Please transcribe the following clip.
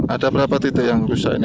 ada berapa titik yang rusak ini